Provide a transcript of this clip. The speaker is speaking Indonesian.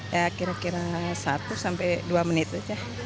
ya kira kira satu sampai dua menit saja